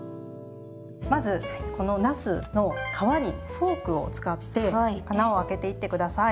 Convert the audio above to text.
まずこのなすの皮にフォークを使って穴をあけていって下さい。